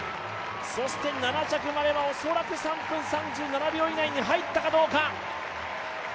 そして７着までが恐らく３分３７秒以内に入ったかどうか。